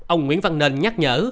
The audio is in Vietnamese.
ông nguyễn văn nền nhắc nhở